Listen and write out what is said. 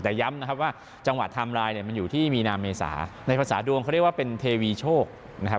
แต่ย้ำนะครับว่าจังหวะไทม์ไลน์เนี่ยมันอยู่ที่มีนาเมษาในภาษาดวงเขาเรียกว่าเป็นเทวีโชคนะครับ